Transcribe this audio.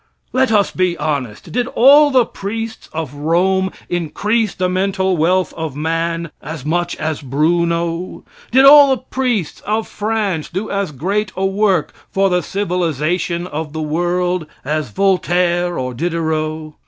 Let us be honest. Did all the priests of Rome increase the mental wealth of man as much as Bruno? Did all the priests of France do as great a work for the civilization of the world as Voltaire or Diderot?